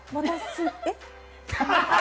えっ？